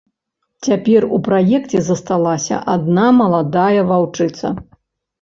Цяпер у праекце засталася адна маладая ваўчыца.